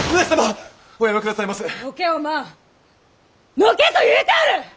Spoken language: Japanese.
のけと言うておる！